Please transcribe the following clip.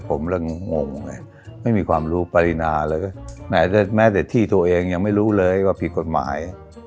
ปารินาไม่มีความรู้แม้ถ้าแม้ที่ตัวเองยังไม่รู้เลยว่าผิดกฎหมาย